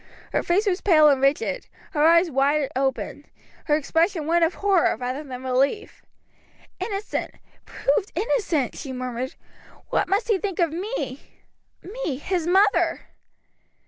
Her face was pale and rigid, her eyes wide open, her expression one of horror rather than relief. "Innocent! Proved innocent!" she murmured. "What must he think of me me, his mother!"